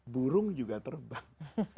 burung juga terbang